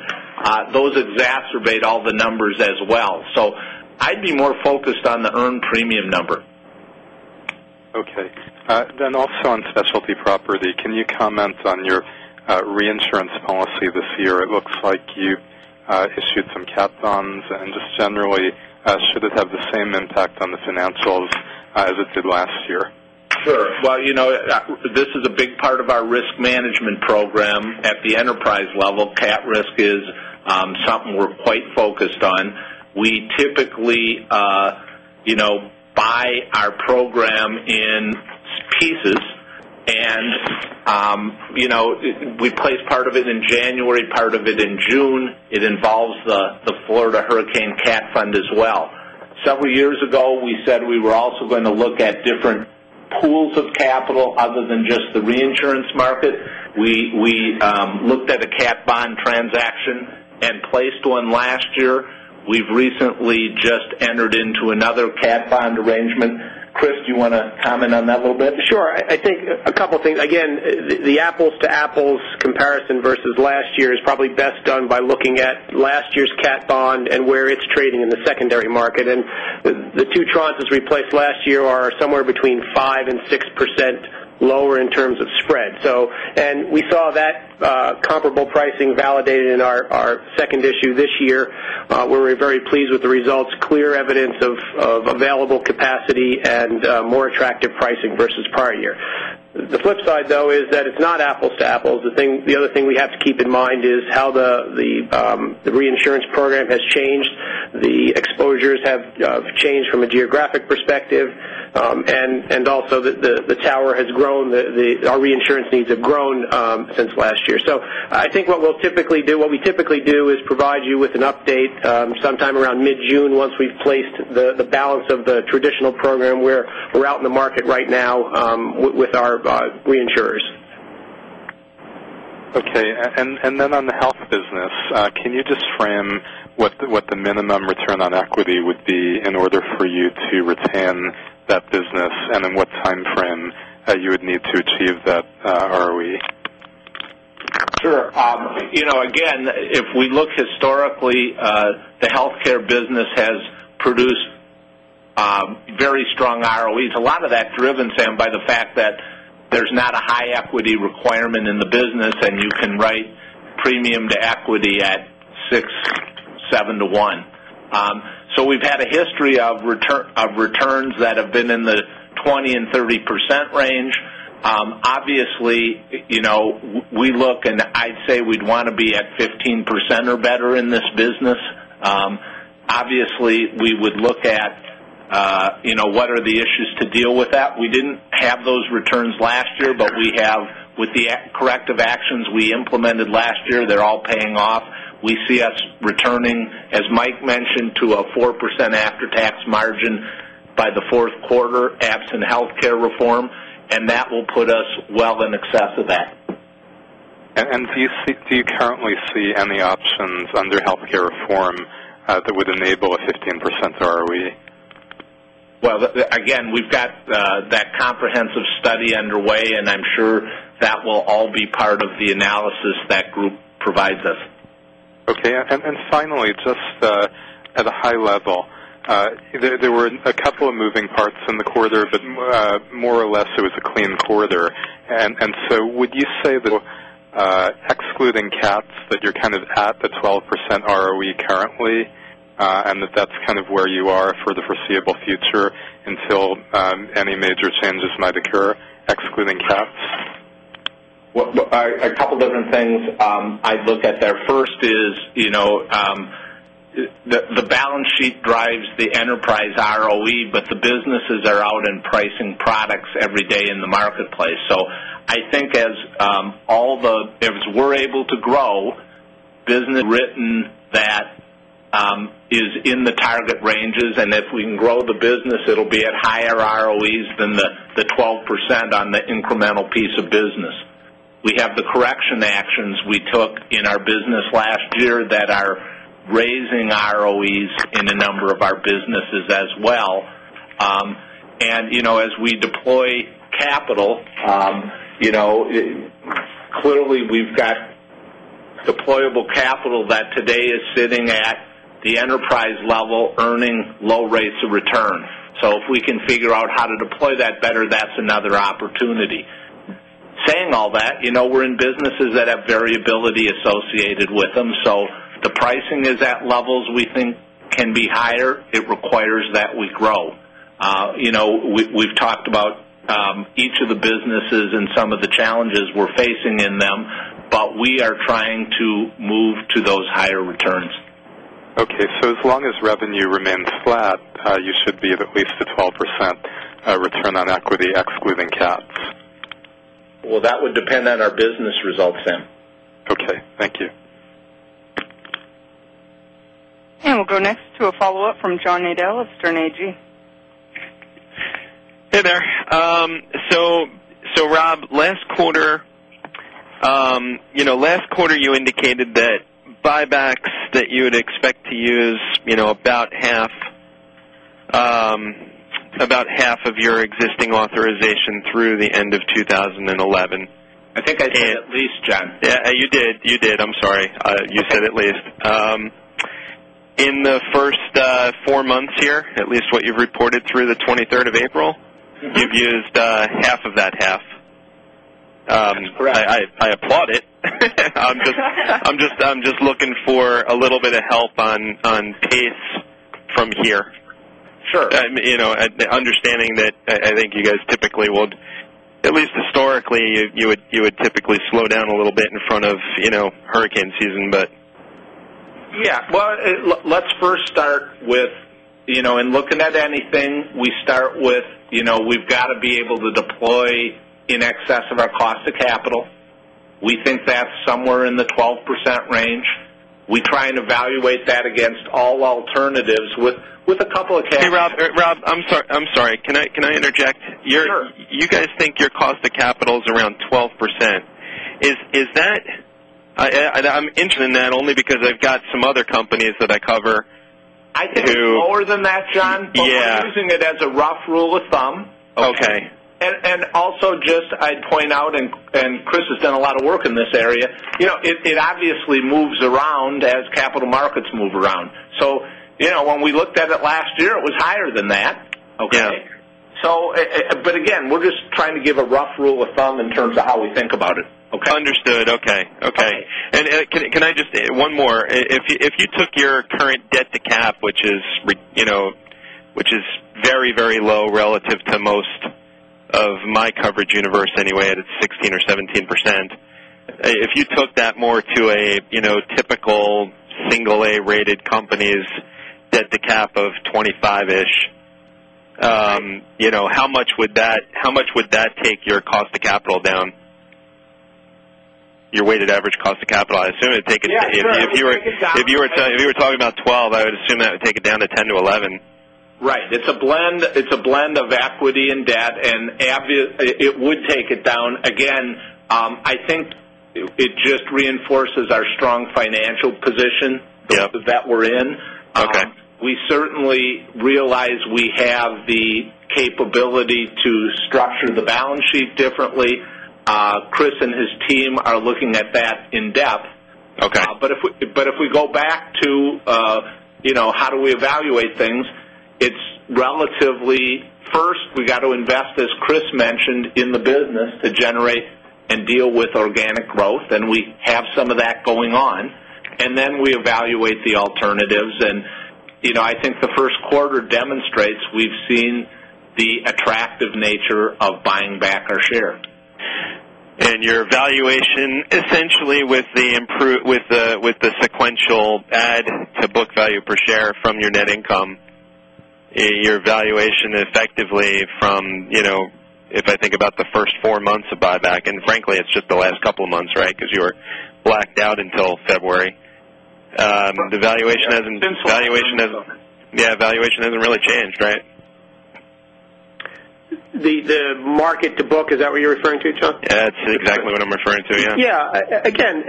those exacerbate all the numbers as well. I'd be more focused on the earned premium number. Okay. Also on Assurant Specialty Property, can you comment on your reinsurance policy this year? It looks like you issued some cat bonds and just generally, should it have the same impact on the financials as it did last year? Sure. This is a big part of our risk management program at the enterprise level. Cat risk is something we're quite focused on. We typically buy our program in pieces We placed part of it in January, part of it in June. It involves the Florida Hurricane Catastrophe Fund as well. Several years ago, we said we were also going to look at different pools of capital other than just the reinsurance market. We looked at a cat bond transaction and placed one last year. We've recently just entered into another cat bond arrangement. Chris, do you want to comment on that a little bit? Sure. I think a couple things. Again, the apples-to-apples comparison versus last year is probably best done by looking at last year's cat bond and where it's trading in the secondary market. The two tranches we placed last year are somewhere between 5% and 6% lower in terms of spread. We saw that comparable pricing validated in our second issue this year, where we're very pleased with the results. Clear evidence of available capacity and more attractive pricing versus prior year. The flip side, though, is that it's not apples to apples. The other thing we have to keep in mind is how the reinsurance program has changed. The exposures have changed from a geographic perspective. Also the tower has grown. Our reinsurance needs have grown since last year. I think what we typically do is provide you with an update sometime around mid-June once we've placed the balance of the traditional program where we're out in the market right now with our reinsurers. Okay. On the health business, can you just frame what the minimum return on equity would be in order for you to retain that business, and in what time frame you would need to achieve that ROE? Sure. Again, if we look historically, the healthcare business has produced very strong ROEs. A lot of that driven, Sam, by the fact that there's not a high equity requirement in the business, and you can write premium to equity at 6, 7 to 1. We've had a history of returns that have been in the 20% and 30% range. Obviously, we look and I'd say we'd want to be at 15% or better in this business. Obviously, we would look at what are the issues to deal with that. We didn't have those returns last year, but with the corrective actions we implemented last year, they're all paying off. We see us returning, as Mike mentioned, to a 4% after-tax margin by the fourth quarter, absent healthcare reform, that will put us well in excess of that. Do you currently see any options under healthcare reform that would enable a 15% ROE? Again, we've got that comprehensive study underway. I'm sure that will all be part of the analysis that group provides us. Finally, just at a high level, there were a couple of moving parts in the quarter, more or less, it was a clean quarter. Would you say that excluding cats, that you're kind of at the 12% ROE currently, and that that's kind of where you are for the foreseeable future until any major changes might occur, excluding cats? A couple different things I'd look at there. First is the balance sheet drives the enterprise ROE, the businesses are out in pricing products every day in the marketplace. I think as we're able to grow business written that is in the target ranges, and if we can grow the business, it'll be at higher ROEs than the 12% on the incremental piece of business. We have the correction actions we took in our business last year that are raising ROEs in a number of our businesses as well. As we deploy capital, clearly we've got deployable capital that today is sitting at the enterprise level, earning low rates of return. If we can figure out how to deploy that better, that's another opportunity. Saying all that, we're in businesses that have variability associated with them. The pricing is at levels we think can be higher. It requires that we grow. We've talked about each of the businesses and some of the challenges we're facing in them, but we are trying to move to those higher returns. Okay. As long as revenue remains flat, you should be at least a 12% return on equity, excluding cats. Well, that would depend on our business results, Sam. Okay. Thank you. We'll go next to a follow-up from John Nadel, Sterne Agee. Hey there. Rob, last quarter you indicated that buybacks that you would expect to use about half of your existing authorization through the end of 2011. I think I said at least, John. Yeah, you did. I'm sorry. You said at least. In the first four months here, at least what you've reported through the 23rd of April, you've used half of that half. That's correct. I applaud it. I'm just looking for a little bit of help on pace from here. Sure. Understanding that I think you guys typically would, at least historically, you would typically slow down a little bit in front of hurricane season but Yeah. Well, let's first start with, in looking at anything, we start with, we've got to be able to deploy in excess of our cost of capital. We think that's somewhere in the 12% range. We try and evaluate that against all alternatives with a couple of caveats. Hey, Rob, I'm sorry. Can I interject? Sure. You guys think your cost of capital is around 12%. I'm interested in that only because I've got some other companies that I cover. I think it's lower than that, John. Yeah. We're using it as a rough rule of thumb. Okay. Also just, I'd point out, Chris has done a lot of work in this area, it obviously moves around as capital markets move around. When we looked at it last year, it was higher than that. Okay. Again, we're just trying to give a rough rule of thumb in terms of how we think about it. Understood. Okay. All right. Can I just One more. If you took your current debt to cap, which is very low relative to most of my coverage universe anyway, at 16% or 17%. If you took that more to a typical single A-rated company's debt to cap of 25-ish, how much would that take your cost of capital down? Your weighted average cost of capital. I assume it'd take it Yeah, sure. If you were talking about 12, I would assume that would take it down to 10 to 11. Right. It's a blend of equity and debt, and it would take it down. Again, I think it just reinforces our strong financial position Yeah that we're in. Okay. We certainly realize we have the capability to structure the balance sheet differently. Chris and his team are looking at that in depth. Okay. If we go back to how do we evaluate things, it's relatively, first, we got to invest, as Chris mentioned, in the business to generate and deal with organic growth, and we have some of that going on. Then we evaluate the alternatives. I think the first quarter demonstrates we've seen the attractive nature of buying back our share. Your valuation, essentially, with the sequential add to book value per share from your net income, your valuation effectively from, if I think about the first four months of buyback, and frankly, it's just the last couple of months, right? Because you were blacked out until February. Since last February. Yeah, valuation hasn't really changed, right? The market to book, is that what you're referring to, John? That's exactly what I'm referring to, yeah. Yeah. Again,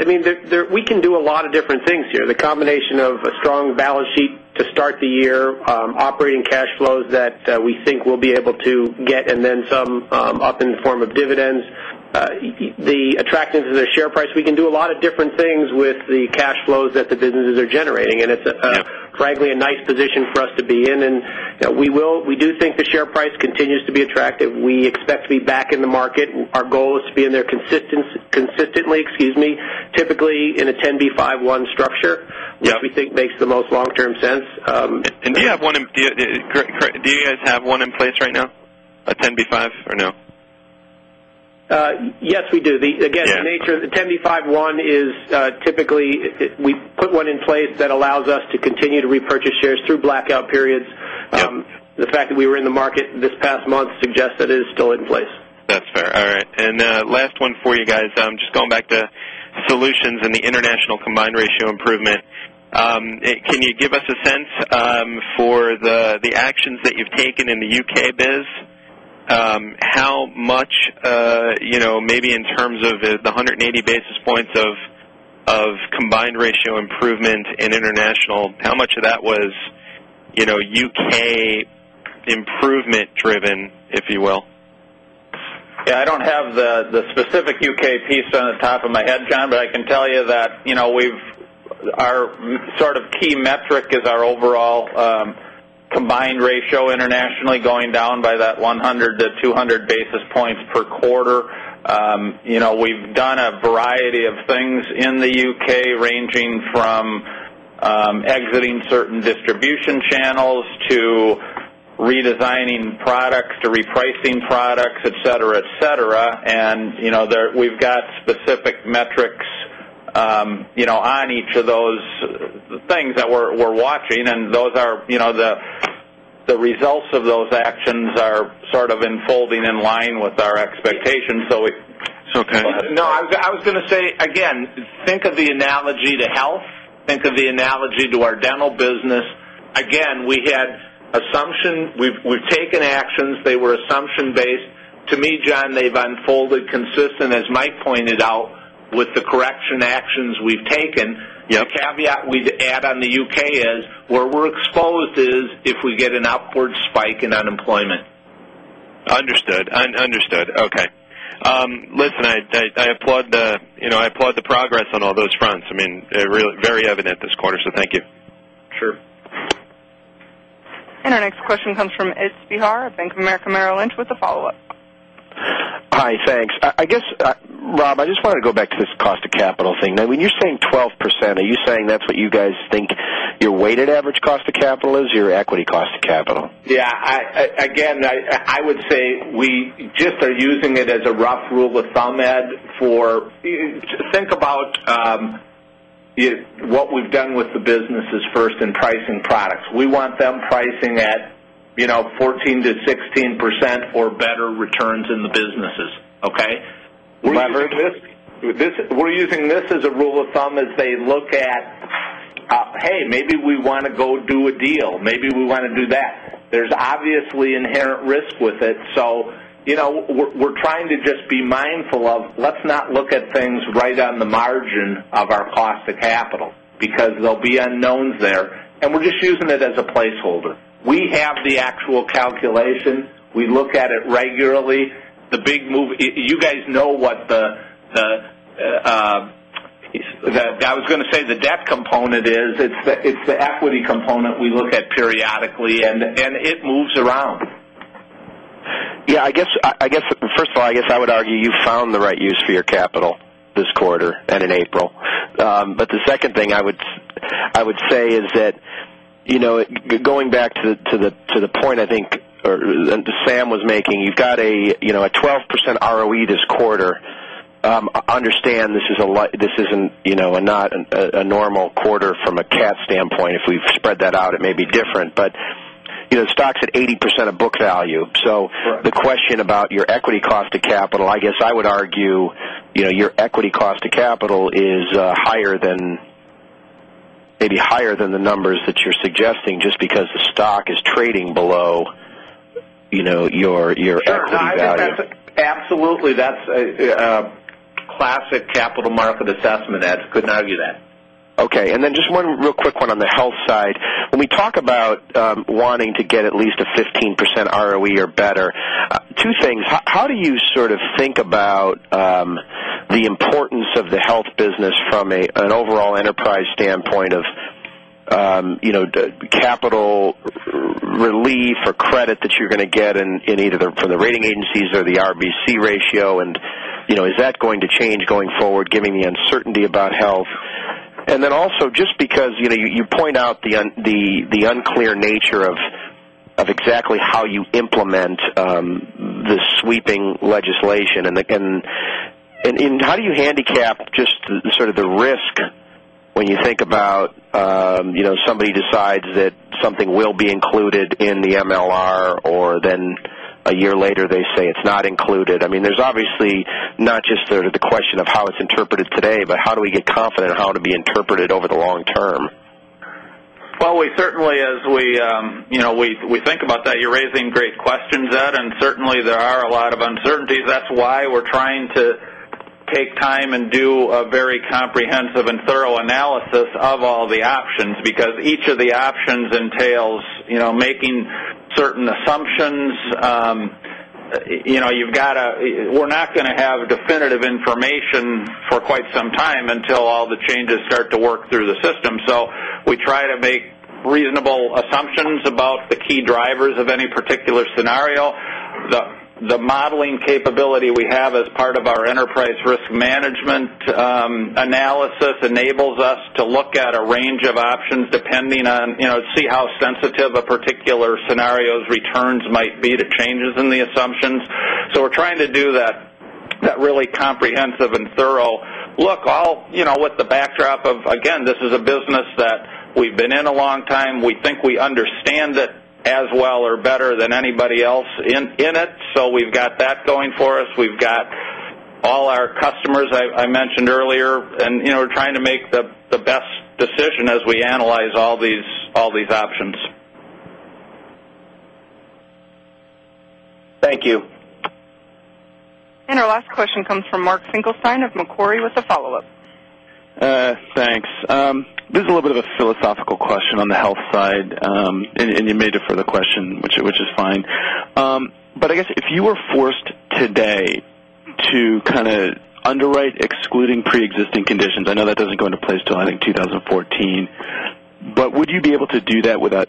we can do a lot of different things here. The combination of a strong balance sheet to start the year, operating cash flows that we think we'll be able to get, and then some up in the form of dividends. The attractiveness of the share price, we can do a lot of different things with the cash flows that the businesses are generating, and it's frankly a nice position for us to be in, and we do think the share price continues to be attractive. We expect to be back in the market. Our goal is to be in there consistently, excuse me, typically in a 10b5-1 structure Yeah which we think makes the most long-term sense. Do you guys have one in place right now? A 10b5, or no? Yes, we do. Yeah. The nature of the 10b5-1 is typically, we put one in place that allows us to continue to repurchase shares through blackout periods. Yep. The fact that we were in the market this past month suggests that it is still in place. That's fair. All right. Last one for you guys. Just going back to Solutions and the international combined ratio improvement. Can you give us a sense for the actions that you've taken in the U.K. biz? How much, maybe in terms of the 180 basis points of combined ratio improvement in international, how much of that was U.K. improvement driven, if you will? I don't have the specific U.K. piece on the top of my head, John, but I can tell you that our sort of key metric is our overall combined ratio internationally going down by that 100 to 200 basis points per quarter. We've done a variety of things in the U.K., ranging from exiting certain distribution channels to redesigning products to repricing products, et cetera. We've got specific metrics on each of those things that we're watching, and the results of those actions are sort of unfolding in line with our expectations. Okay. Go ahead. No, I was going to say, again, think of the analogy to health. Think of the analogy to our dental business. Again, we've taken actions. They were assumption based. To me, John, they've unfolded consistent, as Mike pointed out, with the correction actions we've taken. Yep. The caveat we'd add on the U.K. is, where we're exposed is if we get an upward spike in unemployment. Understood. Okay. Listen, I applaud the progress on all those fronts. Very evident this quarter, so thank you. Sure. Our next question comes from Ed Spehar at Bank of America Merrill Lynch with a follow-up. Hi, thanks. I guess, Rob, I just wanted to go back to this cost of capital thing. When you're saying 12%, are you saying that's what you guys Your weighted average cost of capital is your equity cost of capital. Yeah. I would say we just are using it as a rough rule of thumb, Ed. Think about what we've done with the businesses first in pricing products. We want them pricing at 14%-16% or better returns in the businesses. Okay? Remember- We're using this as a rule of thumb as they look at, "Hey, maybe we want to go do a deal. Maybe we want to do that." There's obviously inherent risk with it. We're trying to just be mindful of, let's not look at things right on the margin of our cost of capital, because there'll be unknowns there, and we're just using it as a placeholder. We have the actual calculation. We look at it regularly. You guys know what, I was going to say the debt component is. It's the equity component we look at periodically, and it moves around. Yeah. First of all, I guess I would argue you found the right use for your capital this quarter and in April. The second thing I would say is that, going back to the point I think Sam was making, you've got a 12% ROE this quarter. Understand this is not a normal quarter from a cat standpoint. If we spread that out, it may be different. The stock's at 80% of book value. Right. The question about your equity cost of capital, I guess I would argue your equity cost of capital is maybe higher than the numbers that you're suggesting, just because the stock is trading below your equity value. Sure. No, I think that's absolutely, that's a classic capital market assessment, Ed. Couldn't argue that. Okay. Then just one real quick one on the health side. When we talk about wanting to get at least a 15% ROE or better, two things. How do you sort of think about the importance of the health business from an overall enterprise standpoint of capital relief or credit that you're going to get in either from the rating agencies or the RBC ratio, and is that going to change going forward, given the uncertainty about health? Then also, just because you point out the unclear nature of exactly how you implement this sweeping legislation. How do you handicap just sort of the risk when you think about somebody decides that something will be included in the MLR, or then a year later they say it's not included? There's obviously not just sort of the question of how it's interpreted today, but how do we get confident in how it'll be interpreted over the long term? Well, we certainly as we think about that, you're raising great questions, Ed, Certainly there are a lot of uncertainties. That's why we're trying to take time and do a very comprehensive and thorough analysis of all the options because each of the options entails making certain assumptions. We're not going to have definitive information for quite some time until all the changes start to work through the system. We try to make reasonable assumptions about the key drivers of any particular scenario. The modeling capability we have as part of our enterprise risk management analysis enables us to look at a range of options depending on, see how sensitive a particular scenario's returns might be to changes in the assumptions. We're trying to do that really comprehensive and thorough look with the backdrop of, again, this is a business that we've been in a long time. We think we understand it as well or better than anybody else in it. We've got that going for us. We've got all our customers I mentioned earlier, We're trying to make the best decision as we analyze all these options. Thank you. Our last question comes from Mark Finkelstein of Macquarie with a follow-up. Thanks. This is a little bit of a philosophical question on the health side. You may defer the question, which is fine. I guess if you were forced today to kind of underwrite excluding preexisting conditions, I know that doesn't go into place till I think 2014, would you be able to do that with a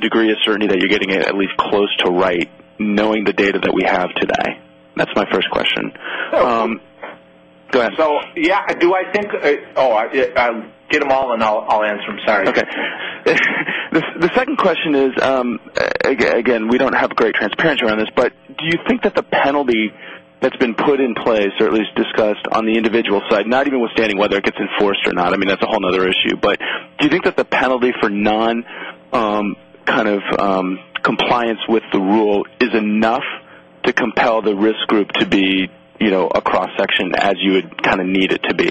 degree of certainty that you're getting it at least close to right, knowing the data that we have today? That's my first question. So- Go ahead. Yeah. Get them all and I'll answer them. Sorry. Okay. The second question is, again, we don't have great transparency around this, but do you think that the penalty that's been put in place or at least discussed on the individual side, not even withstanding whether it gets enforced or not, that's a whole other issue. Do you think that the penalty for non kind of compliance with the rule is enough to compel the risk group to be a cross-section as you would kind of need it to be?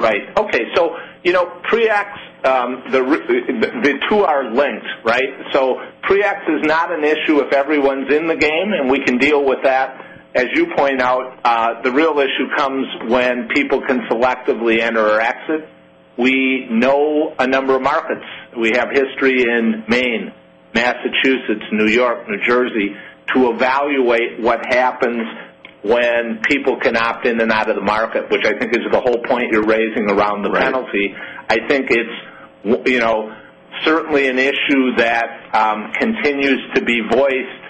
Right. Okay. The two are linked, right? Pre-ex is not an issue if everyone's in the game, and we can deal with that. As you point out, the real issue comes when people can selectively enter or exit. We know a number of markets. We have history in Maine, Massachusetts, New York, New Jersey to evaluate what happens when people can opt in and out of the market, which I think is the whole point you're raising around the penalty. Right. I think it's certainly an issue that continues to be voiced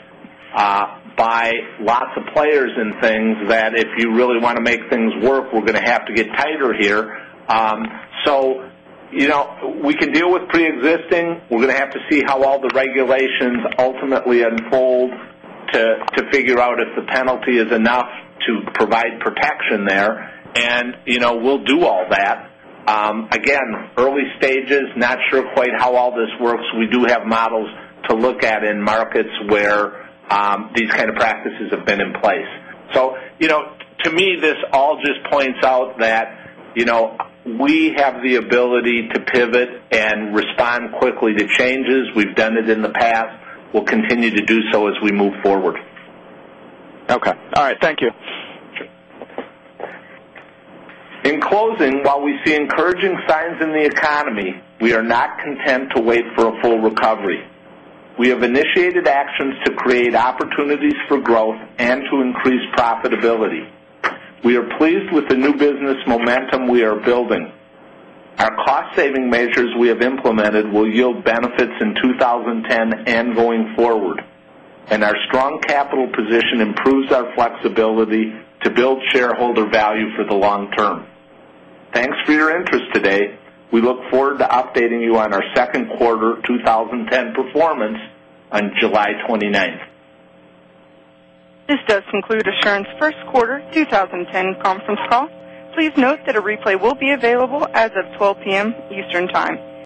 by lots of players and things that if you really want to make things work, we're going to have to get tighter here. We can deal with preexisting. We're going to have to see how all the regulations ultimately unfold to figure out if the penalty is enough to provide protection there. We'll do all that. Again, early stages, not sure quite how all this works. We do have models to look at in markets where these kind of practices have been in place. To me, this all just points out that we have the ability to pivot and respond quickly to changes. We've done it in the past. We'll continue to do so as we move forward. Okay. All right. Thank you. In closing, while we see encouraging signs in the economy, we are not content to wait for a full recovery. We have initiated actions to create opportunities for growth and to increase profitability. We are pleased with the new business momentum we are building. Our cost-saving measures we have implemented will yield benefits in 2010 and going forward. Our strong capital position improves our flexibility to build shareholder value for the long term. Thanks for your interest today. We look forward to updating you on our second quarter 2010 performance on July 29th. This does conclude Assurant's first quarter 2010 conference call. Please note that a replay will be available as of 12:00 P.M. Eastern Time.